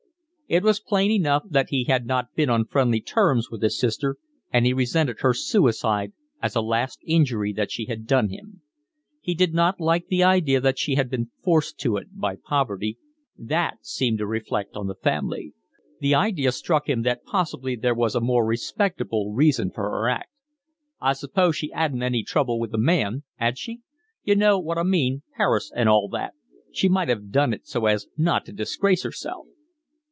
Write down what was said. It was plain enough that he had not been on friendly terms with his sister, and he resented her suicide as a last injury that she had done him. He did not like the idea that she had been forced to it by poverty; that seemed to reflect on the family. The idea struck him that possibly there was a more respectable reason for her act. "I suppose she 'adn't any trouble with a man, 'ad she? You know what I mean, Paris and all that. She might 'ave done it so as not to disgrace herself."